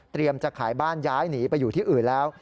จะขายบ้านย้ายหนีไปอยู่ที่อื่นแล้ว